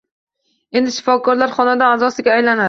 «Endi shifokorlar xonadon a’zosiga aylanadi»